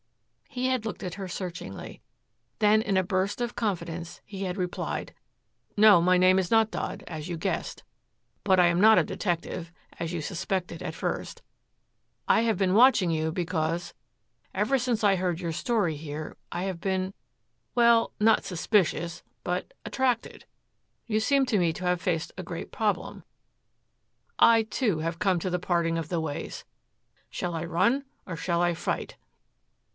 He had looked at her searchingly. Then in a burst of confidence, he had replied, "No, my name is not Dodd, as you guessed. But I am not a detective, as you suspected at first. I have been watching you because, ever since I heard your story here, I have been well, not suspicious, but attracted. You seem to me to have faced a great problem. I, too, have come to the parting of the ways. Shall I run or shall I fight?"